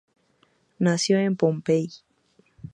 Nació en Pohnpei.